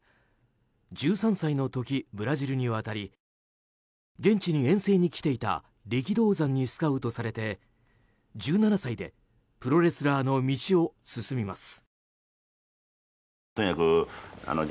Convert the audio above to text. １３歳の時、ブラジルに渡り現地に遠征に来ていた力道山にスカウトされて１７歳でプロレスラーの道を進みます。